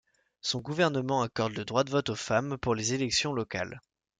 Son gouvernement accorde le droit de vote aux femmes pour les élections locales.